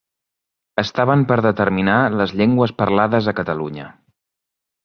Estaven per determinar les llengües parlades a Catalunya.